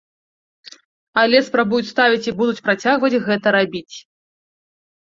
Але спрабуюць ставіць і будуць працягваць гэта рабіць.